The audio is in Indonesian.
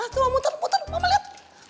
tuh amutan amutan mama liat